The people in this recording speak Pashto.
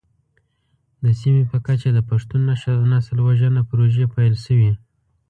د سیمې په کچه د پښتون نسل وژنه پروژې پيل شوې.